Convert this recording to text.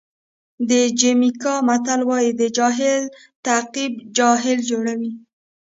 د جمیکا متل وایي د جاهل تعقیب جاهل جوړوي.